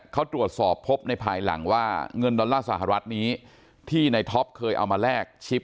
เขาตรวจสอบพบในภายหลังว่าเงินดอลลาร์สหรัฐนี้ที่ในท็อปเคยเอามาแลกชิป